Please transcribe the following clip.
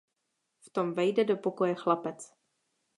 V tom vejde do pokoje chlapec.